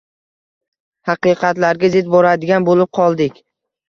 haqiqatlarga zid boradigan bo‘lib qoldik.